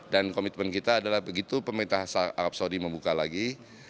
dan komitmen kita adalah begitu pemerintah arab saudi membuka lagi